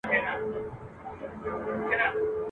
نارنج ګل مي پر زړه ګرځي انارګل درڅخه غواړم !.